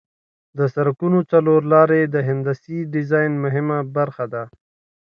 د سرکونو څلور لارې د هندسي ډیزاین مهمه برخه ده